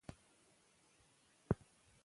که پټرول وي نو اور نه مري.